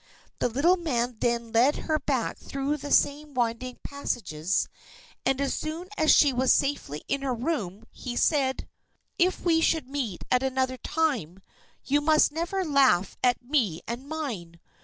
The little man then led her back through the same winding passages, and as soon as she was safely in her room, he said: "If we should meet at another time, you must never laugh at me and mine.